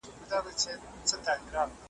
چړي پاچا سي پاچا ګدا سي `